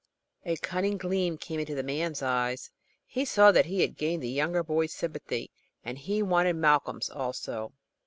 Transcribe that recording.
A cunning gleam came into the man's eyes. He saw that he had gained the younger boy's sympathy, and he wanted Malcolm's also.